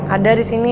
ada di sini